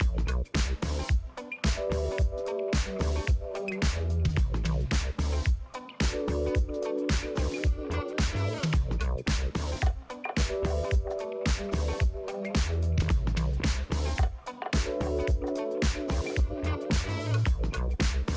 lalu diberikan penggunaan yang lebih mudah